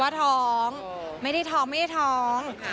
ท้องไม่ได้ท้องไม่ได้ท้อง